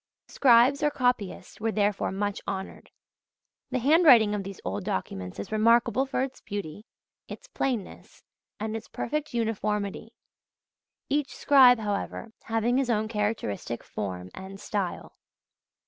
Scribes or copyists were therefore much honoured. The handwriting of these old documents is remarkable for its beauty, its plainness, and its perfect uniformity; each scribe, however, having his own characteristic form and style.